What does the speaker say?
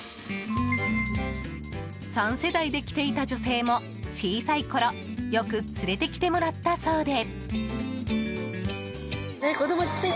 ３世代で来ていた女性も小さいころよく連れてきてもらったそうで。